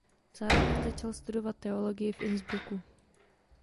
Zároveň začal studovat teologii v Innsbrucku.